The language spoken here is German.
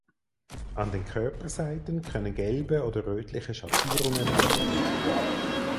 An den Körperseiten können gelbe oder rötliche Schattierungen auftreten.